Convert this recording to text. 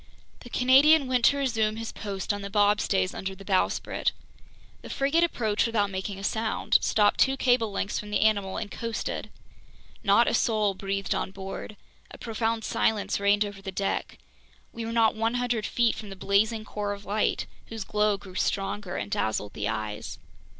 The Canadian went to resume his post on the bobstays under the bowsprit. The frigate approached without making a sound, stopped two cable lengths from the animal and coasted. Not a soul breathed on board. A profound silence reigned over the deck. We were not 100 feet from the blazing core of light, whose glow grew stronger and dazzled the eyes.